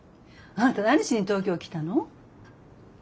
あなた何しに東京来たの？